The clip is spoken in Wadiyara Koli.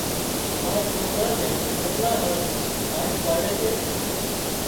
ما سوڪران نين روٽلا هارُو هاڄ پاڙي سي۔